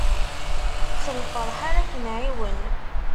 S lferḥ ara k-nɛiwen.